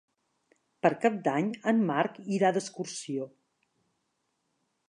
Per Cap d'Any en Marc irà d'excursió.